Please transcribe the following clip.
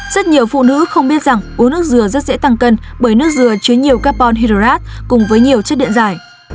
rất nhiều phụ nữ không biết rằng uống nước dừa rất dễ tăng cân bởi nước dừa chứa nhiều carbon hydrat cùng với nhiều chất điện giải